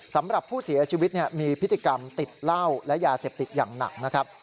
สำหรับผู้เสียชีวิตมีพฤติกรรมติดเหล้าและยาเสพติดอย่างหนักนะครับ